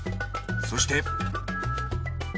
そして。